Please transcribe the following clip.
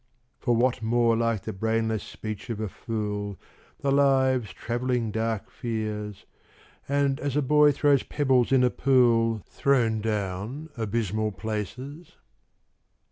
For what more like the brainless speech of a fool, The lives travelling dark fears, And as a boy throws pebbles in a pool Thrown down abysmal places?